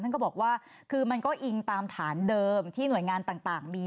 ก็บอกว่าคือมันก็อิงตามฐานเดิมที่หน่วยงานต่างมี